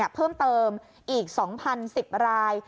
เพิ่มเติมอีก๒๐๑๐ราย